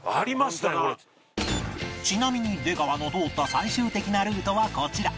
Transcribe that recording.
ちなみに出川の通った最終的なルートはこちら